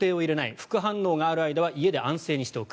副反応がある間は家で安静にしておく。